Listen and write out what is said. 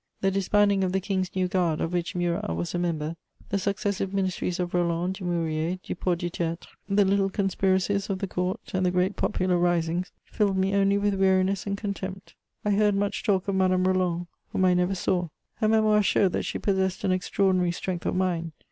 The disbanding of the King's new guard, of which Murat was a member; the successive ministries of Roland, Dumouriez, Duport du Tertre; the little conspiracies of the Court and the great popular risings filled me only with weariness and contempt. I heard much talk of Madame Roland, whom I never saw: her Memoirs show that she possessed an extraordinary strength of mind.